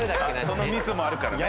そのミスもあるからね。